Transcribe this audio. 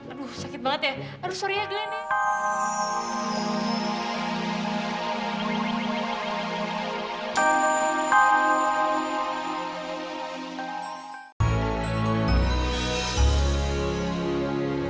aduh sakit banget ya